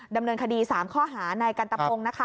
ดำเนินคดี๓ข้อหานายกันตะพงศ์นะคะ